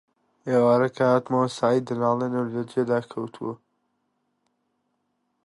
ئێوارە کە هاتمەوە سەعید دەناڵێنێ و لە جێدا کەوتووە: